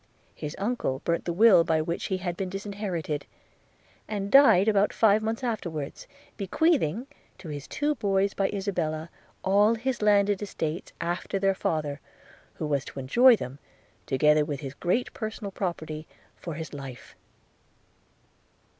His uncle burnt the will by which he had been disinherited, and died about five months afterwards, bequeathing to his two boys by Isabella, all his landed estates, after their father, who was to enjoy them, together with his great personal property, for his life.